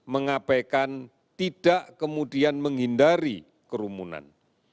mengabaikan tidak kemudian menghindari kerumunan